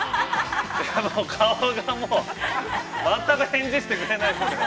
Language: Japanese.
顔がもう、全く返事してくれないですね。